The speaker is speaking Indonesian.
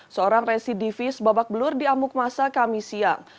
seorang residivis babak belur di amuk masa kami siang